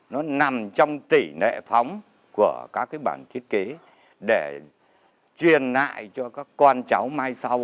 nó nằm trong tỷ lệ phóng của các cái bản thiết kế để truyền lại cho các con cháu mai sau